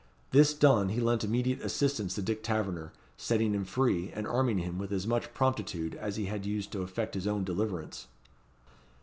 This done, he lent immediate assistance to Dick Taverner, setting him free, and arming him with as much promptitude as he had used to effect his own deliverance.